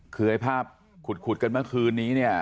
คือไอ้ภาพขุดกันเมื่อคืนนี้เนี่ย